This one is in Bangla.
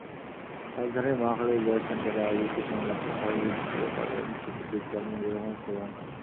রাজধানীর মহাখালীর ব্র্যাক সেন্টারে আয়োজিত সংলাপে সভাপতিত্ব করেন সিপিডির চেয়ারম্যান রেহমান সোবহান।